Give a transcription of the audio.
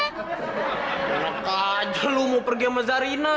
enak aja lo mau pergi sama zarina